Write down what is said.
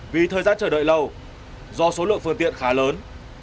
vì thời gian chờ đợi lâu do số lượng phương tiện khá lớn